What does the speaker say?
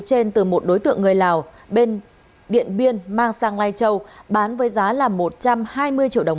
trên từ một đối tượng người lào bên điện biên mang sang lai châu bán với giá là một trăm hai mươi triệu đồng